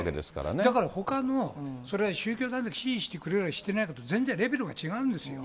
だからほかの宗教団体、支持してくれるかしてくれないかって、全然レベルが違うんですよ。